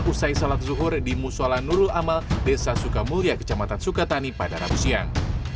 usai salat zuhur di musola nurul amal desa sukamulya kecamatan sukatani pada rabu siang